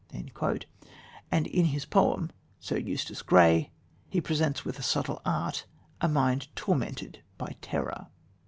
" And in his poem, Sir Eustace Grey, he presents with subtle art a mind tormented by terror.